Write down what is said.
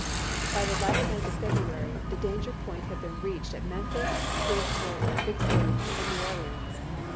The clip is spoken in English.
By the latter end of February, the danger point had been reached at Memphis, Shreveport, Vicksburg, and New Orleans.